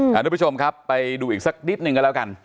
ทุกผู้ชมครับไปดูอีกสักนิดหนึ่งกันแล้วกัน